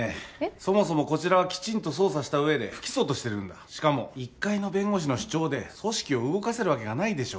そもそもこちらはきちんと捜査した上で不起訴としてるんだしかも一介の弁護士の主張で組織を動かせるわけがないでしょ